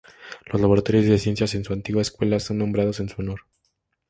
Los laboratorios de ciencias en su antigua escuela son nombrados en su honor.